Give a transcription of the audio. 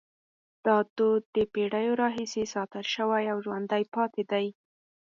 دا دود له پیړیو راهیسې ساتل شوی او ژوندی پاتې دی.